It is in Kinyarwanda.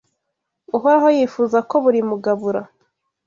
Uhoraho yifuza ko buri mugabura,